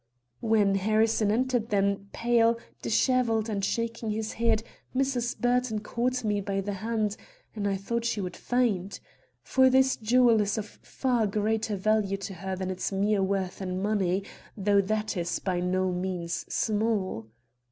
"When Harrison entered, then, pale, disheveled and shaking his head, Mrs. Burton caught me by the hand, and I thought she would faint. For this jewel is of far greater value to her than its mere worth in money, though that is by no means small.